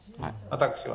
私は。